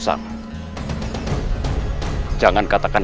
jadi jatuh sangat daran